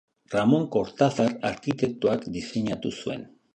Ramon Kortazar arkitektoak diseinatu zuen.